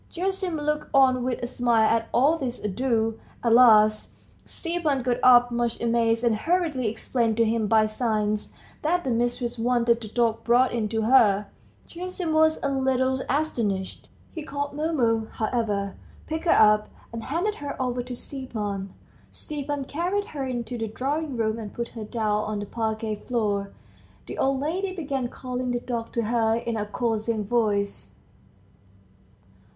Gerasim looked on with a smile at all this ado; at last, Stepan got up, much amazed, and hurriedly explained to him by signs that the mistress wanted the dog brought in to her. Gerasim was a little astonished; he called Mumu, however, picked her up, and handed her over to Stepan. Stepan carried her into the drawing room, and put her down on the parquette floor. The old lady began calling the dog to her in a coaxing voice.